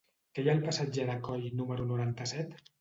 Què hi ha al passatge de Coll número noranta-set?